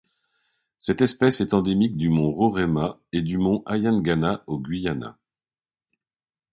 Cette espèce est endémique du mont Roraima et du mont Ayanganna au Guyana.